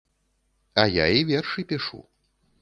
А я і вершы пішу.